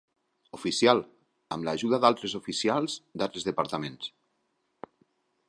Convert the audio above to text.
Oficial, amb l'ajuda d'altres oficials d'altres departaments.